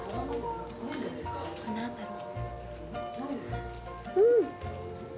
何だろう？